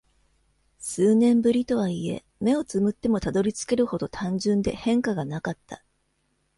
数年ぶりとはいえ、目を瞑ってもたどり着けるほど単純で変化がなかった。